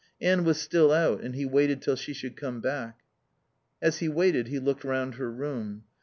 Anne was still out, and he waited till she should come back. As he waited he looked round her room.